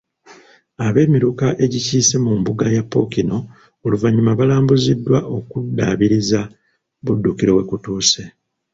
Ab'Emiruka egikiise mu mbuga ya Ppookino oluvannyuma balambuziddwa okuddaabiriza Buddukiro we kutuuse.